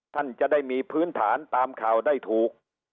ท่านจะได้มีพื้นฐานตามข่าวได้ถูก